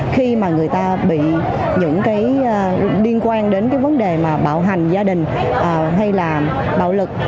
khi mà người ta bị những cái liên quan đến cái vấn đề mà bạo hành gia đình hay là bạo lực